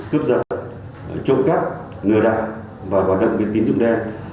cướp rật trộm cắp ngừa đạn và hoạt động biến tín dụng đen